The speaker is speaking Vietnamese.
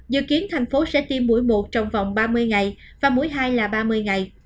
dự kiến thành phố sẽ tiêm mũi một trong vòng ba mươi ngày và mũi hai là ba mươi ngày